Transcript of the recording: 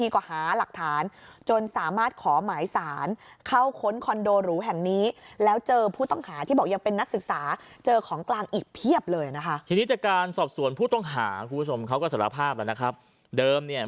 เขาก็สารภาพแล้วนะครับเดิมเนี่ย